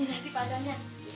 ini nasi padangnya